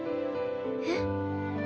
えっ？